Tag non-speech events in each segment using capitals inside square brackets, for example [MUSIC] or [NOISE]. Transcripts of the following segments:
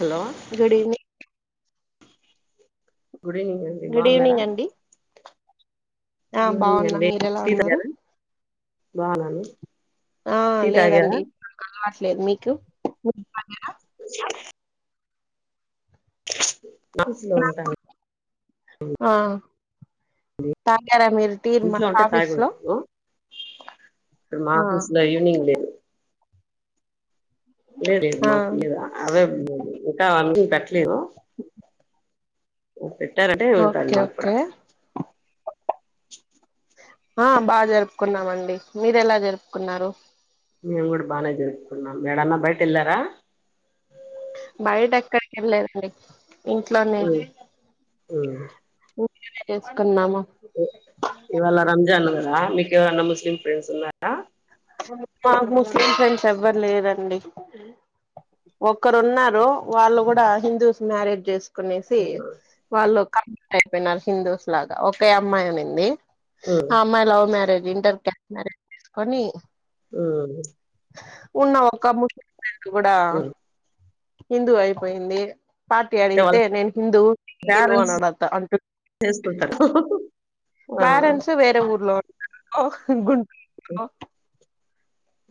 Hello good evening good evening అండి good బాగున్నారా evening అండి ఆ గుడ్ ఈవినింగ్ బాగున్న అండి మీరెలా టీ ఉన్నారు తాగారా బాగున్నాను. ఆ టీ తాగారా లేదండి. అలవట్లేదు మీకు నాయిస్ లో ఉంటాను ఆ త్యాగిన్నారా మీరు టీర్ మా ఇంట్లో ఉంటే ఆఫీస్ తాగి లో ఉంటాను ఇప్పుడు మా ఆ ఆఫీస్ లో ఈవినింగ్ లేదు లేడీస్ ఆ మాకుండే కదా అవే ఉండేవి. ఇంకా వుం [UNINTELLIGIBLE] పెట్లేదూ ఆ పెట్టారంటే ఉంటాది మాక్కూడా. ఓకే ఆ ఆ బాగా జరుపుకున్నామండి. మీరు ఎలా జరుపుకున్నారు. మేము కూడా బాగానే జరుపుకున్నాం. ఏడన్నా బయట ఎళ్ళారా. బయటెక్కడికి ఎళ్లలేదండి. ఇంట్లోనే ఉమ్, ఉమ్. చేసుకున్నాము. ఇవాళ రంజాన్ గదా మీక్ ఎవరన్నా ముస్లీం ఫ్రెండ్స్ ఉన్నారా. నాకు ముస్లిం ఫ్రెండ్స్ ఎవ్వరు లేరండి. ఒక్కరు ఉన్నారూ వాళ్ళు కూడా హిందూస్ మ్యారేజ్ చేస్ కొనేసీ ఉమ్, వాళ్ళు కన్వర్ట్ అయిపోయినారు హిందూస్ లాగా. ఒకే అమ్మాయి ఉండిందీ. ఉమ్, ఆ అమ్మాయ్ love marriage. Inter caste marriage చేసుకొనీ ఆ ఉన్నా ఒక్క ముస్ కూడా ఉమ్. హిందూ అయిపోయిందీ. పార్టీ అంటే వాళ్ళ అడిగితే నేను హిందువూ [INAUDIBLE] పేరెంట్స్ అనడత అంటుంద్ చేసుకుంటారు ఆ, పేరెంట్స్ వేరే ఊరు. లోర్ అహోక్ [UNINTELLIGIBLE] గుడ్ ఔ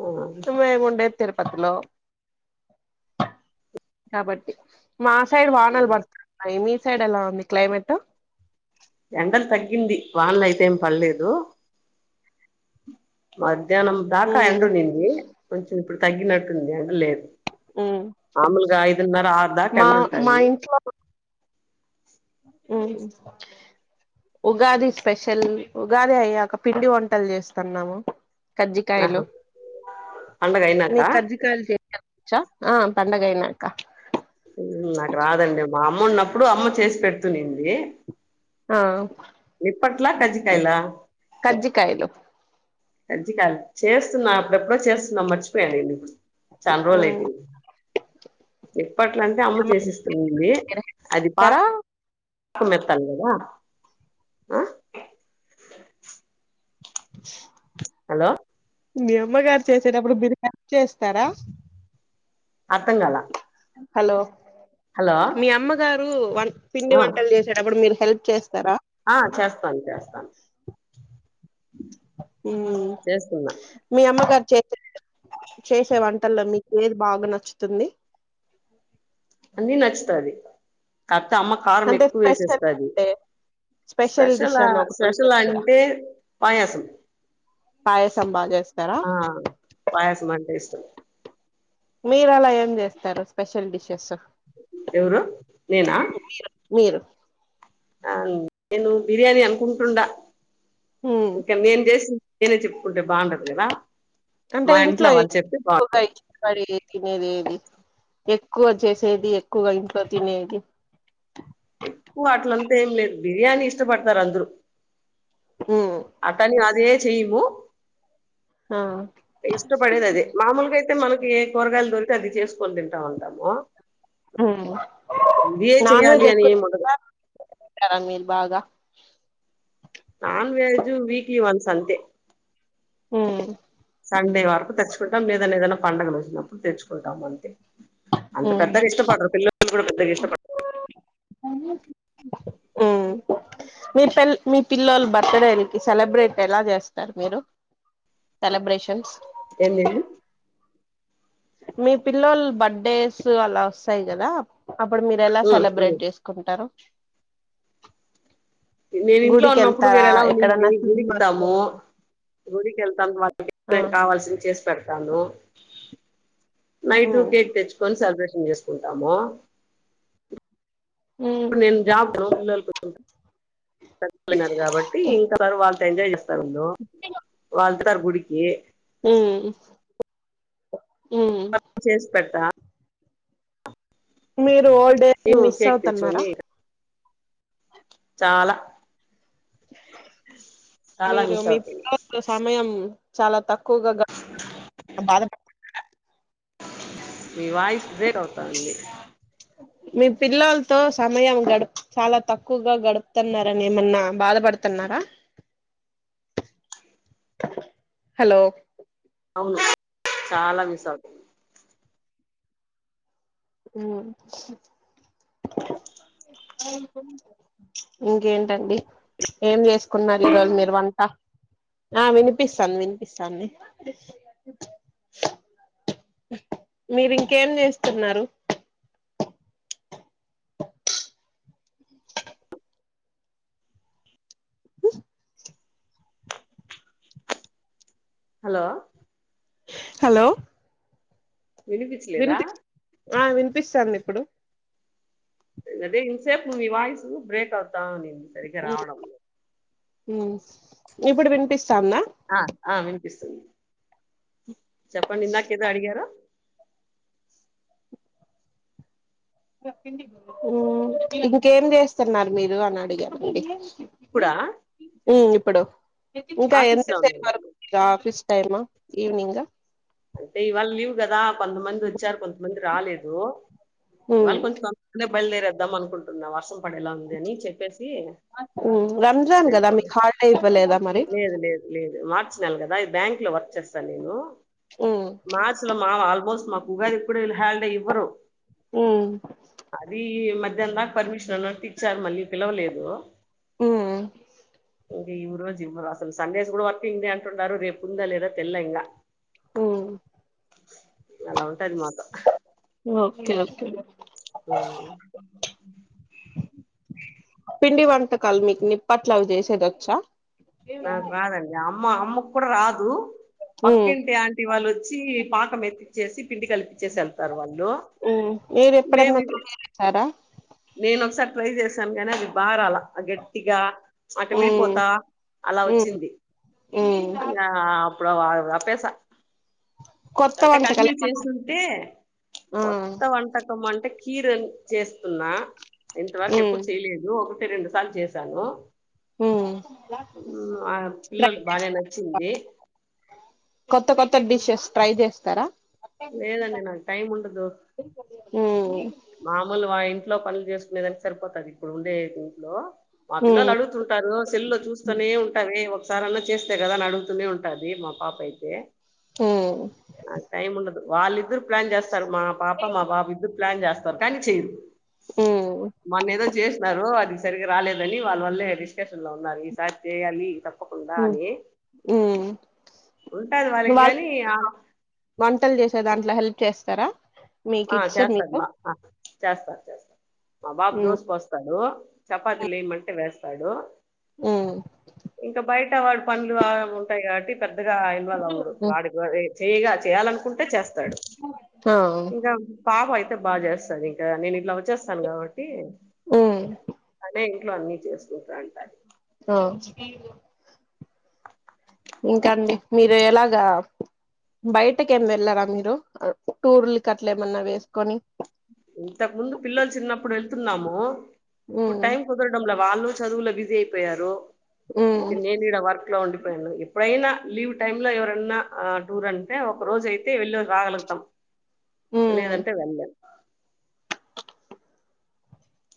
ఆ. [UNINTELLIGIBLE] తిరుపతిలో కాబట్టి మా సైడ్ వానలు పడుతున్నాయి. మీ సైడ్ ఎలా ఉంది క్లైమేటూ. వాన్లయితే ఏం పడలేదూ. మధ్యాహ్నం దాకా ఉమ్, ఎండుండిందీ కొంచ్ ఇప్పుడు తగ్గినట్టుంది ఎండలేదు. ఉమ్. మామూలుగా ఐదున్నర ఆరు దాటి మా ఎండ మా ఉంటాదీ. ఇంట్లో ఉగాది స్పెషల్. ఉగాది అయ్యాక పిండి వంటల్ చేస్తున్నాము. కజ్జికాయలు. ఆహా పండగ అయినాక మీక్ కజ్జికాయలు చేయడం వచ్చా. ఆ పండగయినాక హ్మ్ నాకు రాదండి మా అమ్మ ఉన్నప్ ఇప్పుడు అమ్మ చేసి పెడుతుంది ఆ ఇప్పట్లా కజికయలా కజ్జికాయలు చేస్తున్నా అప్పుడెప్పుడో చేస్తున్నా మర్చిపోయాడు నేను చాన్ రోజులయింది అప్పట్లంటే అమ్ము చేసిస్తుంది అది పా స్తారా కు మత్తల్ద ఆ హలో మీ అమ్మగారు చేసేటప్పుడు బిరికా చేస్తారా అర్థం కాల హలో హలో మీ అమ్మగారు వ పిండి ఆ వంటలు చేసేటప్పుడు మీరు హెల్ప్ చేస్త ఆ చేస్తాను చేస్తాను చేస్తున్నా మీ అమ్మగ చె చేసే వంటల్లో మీకు ఏది బాగా నచ్చుతుంది అ నీ నచ్చతాది కాపి అమ్మ కారం అంటే ఎక్కువ స్పెషల్ వేసేస్తది, అంటే స్పెషల్ డిష్ అని ఒకటి స్పెషల్ ఉంటుంది కదా అంటే పాయాసం పాయసం బాగా చేస్తారా ఆ పాయసం అంటే ఇష్టం మీరు అలా ఏం చేస్తారు స్పెషల్ డిషెస్ ఎవరు నేనా మీరు ఆ నేను బిర్యానీ అనుకుంటుండా మ్మ్ ఇంకా మేం చేసి నేనే చెప్పుకుంటే బాగుంటదు కదా అంటే మా ఇంట్లో వాళ్ళు చెప్తే బాగుంటది ఎక్కువగా ఇచ్చ పడి తినేది ఏది ఎక్కువ చేసేది ఎక్కువగా ఇంట్లో తినేది ఎక్కువ అట్లంతా ఏం లేదు బిర్యానీ ఇష్టపడతారు అందరూ ఉమ్ అట్టని అది ఏ చెయమ ఆ ఇష్టపడేది అదే మాములుగా అయితే మనకి ఏ కోరగాయల్ దొరి ఇ అది చేసుకోనీ తిన టా ఉంటాము ఉమ్ ఇదే చెయ్యాలి అని ఎం ఉండదు టారా మీరు బాగా నాన్ వెజు వీక్లీ వన్స్ అంతే మ్మ్ సండే వరకు తెచ్చుకుంటాం లేదంటే ఏదైనా పండగలు వచ్చినప్పుడు తెచ్చుకుంటాం అంటే అంత ఉమ్ పెద్దగా ఇష్టపడరు పిల్లకి కూడా పెద్దగా ఇష్టపడారు మ్మ్ మీల్ మీ పెల్ మీ పిల్లలు బర్త్డేకి సెలబ్రేట్ ఎలా చేస్తారు మీరు సెలబ్రేషన్స్ ఏంటి అండి మీ పిల్లొల్లు బర్త్డేస్ అలా వస్తాయి కదా అప్పుడు మీరు ఎలా సెలబ్రేట్ చేసుకుంటారు నేను ఇంట్లో గుడికి ఉన్నప్పుడు వెళ్తారా వేరెలా ఉన్నింది ఎక్కడన్నా సినిమాకి గుడికితాము వెళ్తారా గుడికి వెళ్తాం వాళ్ళకి ఆ కావాల్సింది చేసి పెడతా తాను నైట్ ఉమ్ కేక్ తెచ్చకొనీ సెలబ్రేషన్ చేసుకుంటామ ఉమ్ డు నేను జాబ్ పిలలు పోయినారు కాబట్టి ఇంకా వాళ్ళ ఎంజాయ్ చెస్ ఉంద వాళ్ళంట తారు గుడికి మ్మ్మ్ మ్మ్ చేసి పెడతా మీ ఓల్డ్ డేస్ నీ మిస్ కేక్ అవుతున్నారా తెచ్చుకొని చాలా చాలా మీరు మిస్ మీ అవుతుంది పిల్లలతో సమయం చాల తక్ కు గోగా బాధ పడుతున మీ వాయిస్ బ్రేక్ అవుతాంది మీ పిల్లలతో సమయం గ చాలా తక్కువగా గడుపుతున్నారని ఏమన్నా బాధపడుతున్నారా హలో అవును చాలా విశాలు మ్మ్ ఇంకేంటండి ఏం చేసుకున్నారు ఈరోజు మీరు వంట ఆ వినిపిస్తాంది వినిపిస్తాంది మీరు ఇంకేం చేస్తున్నారు మ్మ్ హలో హలో వినిపించలేదా వినిపి ఆ వినిపిస్తాంది ఎప్పుడు అదే ఇన్సేపు ని వాయిసు బ్రేకు అవుతు తా నేను సరిగ్గా రావడం ఉ ఇప్పుడు వినిపిస్తాన్నా ఆ ఆ వినిపిస్తుంది చెప్పండి ఇందాకేదో అడిగారు ఉ ఇంకేం చేస్తున్నారు మీరు అని అడిగా కుడా ఉమ్ ఇప్పుడు ఇంకా ఎంత సేపు ఉన్నారు వరకు ఆఫీస్ టైమా ఈవినింగ్ అంటే ఇవాళ లీవు కదా కొంతమంది వచ్చారు. కొంతమంది రాలేదు. ఇవాళ ఉమ్ కొంచం తొందరగానే బయలుదేరారు అనుకుం వర్షం పడేలా ఉంది అని చెప్పేసి ఉమ్ రంజాన్ కదా మీకు వెళ్ళిపోలేదు హాలిడే ఇవ్వలేదా మరి లేదు లేదు మార్చి నెల కదా బ్యాంక్ లో వర్క్ చేస్తా నేను ఉమ్ మార్చ్ లో మావ ఆల్మోస్ట్ మా ఉగాది కూడా ఇల్ హల్ ఇవ్వరు ఉమ్ అది ఈ మధ్యాహ్ దాక పర్మిషన్ అన్నట్టు ఇచ్చారు మళ్ళీ పిలవలేదు ఉ ఇంకా ఈ రోజు ఇవ్వరు అసలు సండేస్ కూడా వర్కింగ్ డే అంటున్నారు రేపు ఉందా లేదా తెల్ల ఇంకా హు ఎలా వ ఓకే ఓకే ఆ పిండి వంటకాలు మీకు నిప్పట్లు అవి చేసేదొచ్చా నాకు రాద్ యం మా అమ్మకు కూడా రాదు ఉమ్ పక్కింటి ఆంటీ వాళ్ళు వచ్చి పాకం ఎత్తిచ్చేసి పిండి కలిపించేసి వెళ్తారు వాళ్ళు మీరు మేము ఎప్పుడన్నా దొంగలించారా నేను ఒకసారి ట్రై చేశాం కానీ అది బారాలా గట్టిగా అట్ట ఉమ్ విడిపోతాన్ అలా ఉమ్ వచ్చింది ఉమ్ ఆ అప్పుడు అవ అప్పేస కొత్త అంటే వంటకాలు కంటిన్యూ ఏమన్నా చేస్తుంటే ఆ కొత్త వంటకం అంటే కీరు. చేస్తున్నా. ఇంతవరకు ఉమ్ ఎప్పుడు చేయలేదు ఒ. రెండు సార్లు చేశాను. ఉమ్. ఉమ్ ఆడ ట్రై పిల్లలు బాగా చేస్ నచ్చింది. కొత్త కొత్త డిషెస్ ట్రై చేస్తారా. లేదండి నాకు టైం ఉండదు ఉమ్. మామూలు వా ఇంట్లో పనులు చేసుకునేదానికి సరిపోతది ఇప్పుడు ఉండే ఇంట్లో. మా పిల్లలు అడుగుతుంటారు, సెల్ లో చూస్తూనే ఉంటారె ఒ. ఒకసారియన్న చేస్తే కదా అని అడుగుతూనే ఉంటాది మా పాప అయితే. ఆ టై ఉండదు. వాళ ఇద్దర్. ప్లాన్ చేస్తారు మా పాప మా బాబు ఎద్దురు ప్లాన్ చేస్తారు. కానీ చేయరు. వాళ్ళ మన్న ఏదో. చేసినన్నారు అది సరిగా రాలేదని వాళ్ళ వల్లే డిస్కషన్ లో ఉన్నారు ఈసారి చేయాలీ తప్. ఉంటది వాళ్ళకి వాళ్ళ గాని ఆ, వంటలు చేసే దాంట్లో హెల్ప్. చేస్తారా. మీ ఆ కిడ్స్ జాస్త మీకు అదిమా జాస్త అ మా బాబు ఉమ్ దోస పోస్తాడు. చపాతీ లే మంటే వేస్తా. అడు. ఉమ్. అంటే వాడి పనులు అ ఉంటాయి కాబట్టి. పెద్దగా ఇల్వాళ్ళవుడు ఉమ్ వాడికి చేయాగ చెయ్యాలను. ఉంటే చేస్తాడు. ఆ ఇంకా పాపయ్. ఇంకా బాగా చేస్తాది ఇంకా నేను ఇట్లా వొచ్చి. చేస్తాను కాబట్టి ఉమ్ అదే. ఇంట్లో అన్ని చేస్. ఇంకా అంటాది. ఇ ఇంకాండి మీరు ఎలాగా బయటకేమి వెళ్లారా మీరు టూర్లకట్లా ఏమన్నా వేసుకొని ఇంతకు ముందు పిల్లలు చిన్నప్పుడు వెళ్తున్నాము ఇప్పుడు ఉమ్ టైం కుదరడం లేదు ఇలా వాళ్ళు చదువులో బిజీ అయిపోయారు ఉమ్ నేనుడ వర్క్ లో ఉండిపోయాను ఎప్పుడైనా లీవ్ టైమ్ లో ఎవరన్నా టూర్ అంటే ఒక రోజు అయితే వెళ్ళిు రాగలుగుతాం ఉమ్ లేదంటే వెళ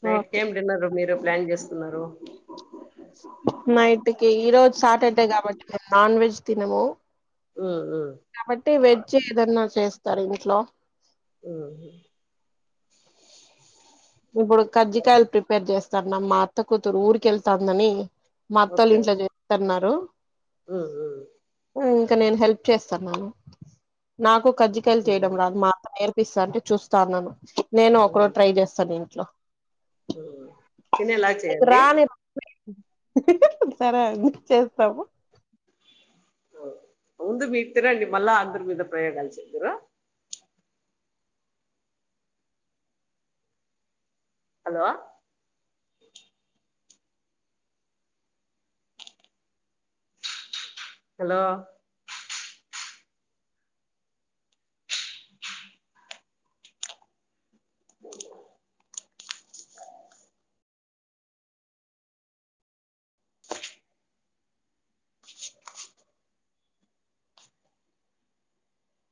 నైట్ ఓకే ఏమి డిన్నర్ మీరు ప్లాన్ చేస్తున్నారు నైట్ కి ఈరోజు సాటర్డే కాబట్టి నేను నాన్ వెజ్ తినము ఉమ్, ఉమ్, కాబట్టి వెజ్ ఏదన్నా చేస్త సరందిట్లా [INAUDIBLE] ఆ ఇప్పుడు కజ్జికాయలు ప్రిపేర్ చేస్తాన్న మా అత్త కూతురు ఊరిక వెళ్తుాందని మా అత్త ఇంట్లో చేస్తున్నారు ఆ ఆ ఇంకా నేను హెల్ప్ చేస్తున్నాను నాకు కజ్జికయలు ఉమ్, చేయడం రాదు మా పిస్తా ఉంటే చూస్తాన్నాను. నేను ఒక్కరోజు ఉమ్, ట్రై చేస్తాను. ఇంట్లో తినేలా నీకు చేయండి. రాని సరే అండి చేస్తాము ముందు మీ తరండి మళ్ళా అందరి మీద ప్రయోగాలు చేద్దరు హలో హలో [INAUDIBLE]